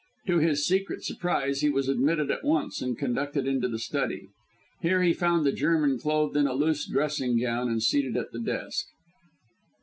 To his secret surprise he was admitted at once and conducted into the study. Here he found the German clothed in a loose dressing gown and seated at the desk.